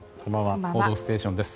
「報道ステーション」です。